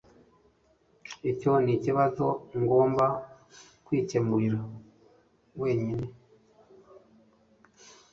Icyo nikibazo ugomba kwikemurira wenyine